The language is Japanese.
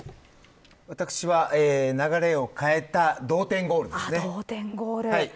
私は流れを変えた同点ゴールです。